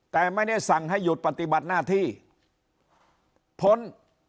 แต่ไม่ได้สั่งให้หยุดปฏิบัติหน้าที่พ้น